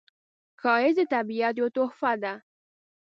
ښایست د طبیعت یوه تحفه ده